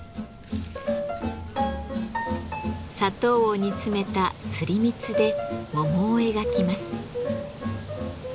砂糖を煮詰めた「すり蜜」で桃を描きます。